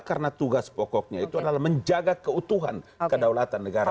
karena tugas pokoknya itu adalah menjaga keutuhan kedaulatan negara